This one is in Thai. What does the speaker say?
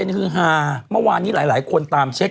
คือฮาเมื่อวานนี้หลายคนตามเช็ค